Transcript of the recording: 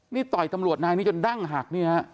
นี่ต่อยตำรวจนายจนดั้งหัก